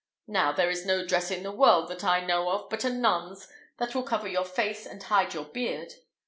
Now, there is no dress in the world that I know of but a nun's that will cover your face and hide your beard.